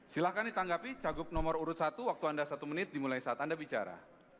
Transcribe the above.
silahkan ditanggapi cagup nomor urut satu waktu anda satu menit dimulai saat anda bicara